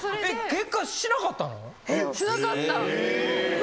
結果しなかったの？